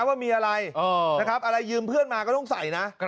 ว่ามีอะไรนะครับอะไรยืมเพื่อนมาก็ต้องใส่นะ